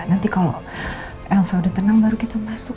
nanti kalau elsa udah tenang baru kita masuk